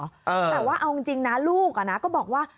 แต่ว่าเอาจริงนะลูกก็บอกว่า